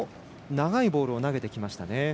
長いボールを投げてきました。